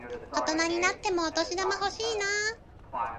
大人になってもお年玉欲しいなぁ。